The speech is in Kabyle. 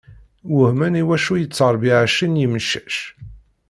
Wehmen iwacu yettṛebbi ɛecrin n yemcac.